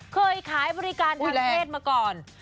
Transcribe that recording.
เคยขายบริการทางเพศมาก่อน